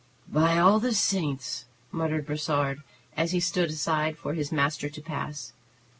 "By all the saints!" muttered Brossard, as he stood aside for his master to pass.